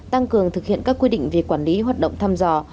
tăng cường thực hiện các quy định về quản lý hoạt động thăm dò